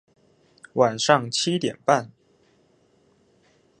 晚上七點半